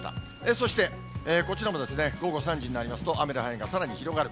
そしてこちらも午後３時になりますと、雨の範囲がさらに広がる。